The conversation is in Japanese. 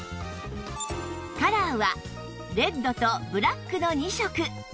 カラーはレッドとブラックの２色